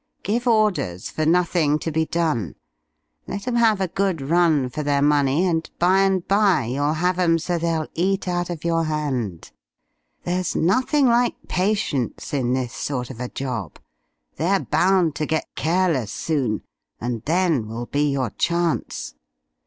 Give orders for nothing to be done. Let 'em have a good run for their money, and by and by you'll have 'em so they'll eat out of your hand. There's nothing like patience in this sort of a job. They're bound to get careless soon, and then will be your chance."